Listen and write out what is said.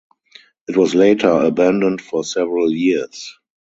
It was later abandoned for several years.